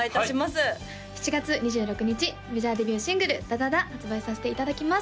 はい７月２６日メジャーデビューシングル「ＤＡ・ＤＡ・ＤＡ」発売させていただきます